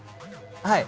はい。